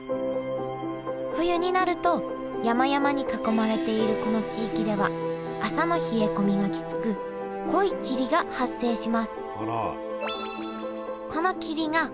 冬になると山々に囲まれているこの地域では朝の冷え込みがきつく濃い霧が発生します